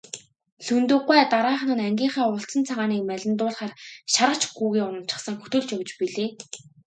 Лхүндэв гуай дараахан нь ангийнхаа улцан цагааныг малиндуулахаар шаргач гүүгээ уначихсан хөтөлж явж билээ.